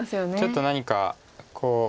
ちょっと何かこう。